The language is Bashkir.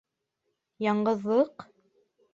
Яңғыҙлыҡ?